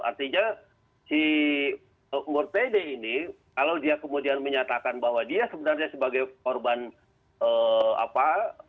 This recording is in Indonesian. artinya si murtede ini kalau dia kemudian menyatakan bahwa dia sebenarnya sebagai korban apa